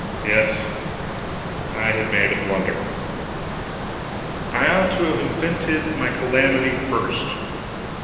Yes, I had made a blunder; I ought to have invented my calamity first.